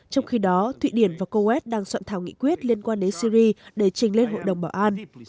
trong khi đó thụy điển và kuwait đang soạn thảo nghị quyết liên quan đến syri để trình lên hội đồng bảo an